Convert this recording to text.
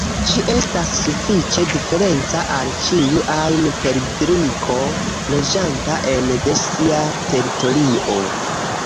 Ĝi estas sufiĉe diferenca al ĉiu ajn perdriko loĝanta ene de sia teritorio.